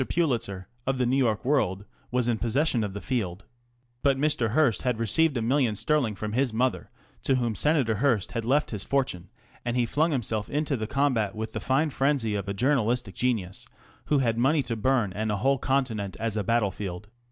Pulitzer, of the New York World, was in possession of the field. But Mr. Hearst had received a million sterling from his mother, to whom Senator Hearst had left his fortune, and he flung himself into the combat with the fine frenzy of a journalistic genius who had money to burn and a whole continent as a battlefield.